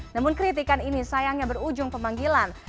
namun kritikan ini sayangnya berujung pemanggilan